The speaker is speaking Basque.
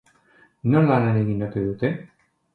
Nola lan egin ote dute?